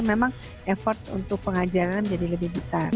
memang effort untuk pengajaran menjadi lebih besar